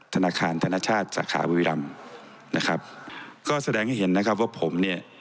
ธนาคารธนชาติสาขาบุรีรำนะครับก็แสดงให้เห็นนะครับว่าผมเนี่ย